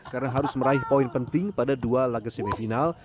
karena harus meraih poin penting pada dua laga semifinal